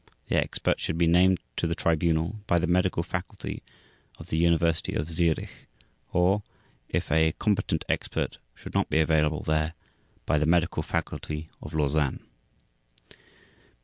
The expert should be named to the Tribunal by the medical faculty of the University of Zürich or, if a competent expert should not be available there, by the medical faculty of Lausanne.